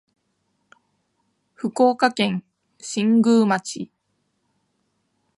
福岡県新宮町